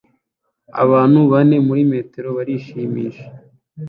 Abantu bane muri metero barishimisha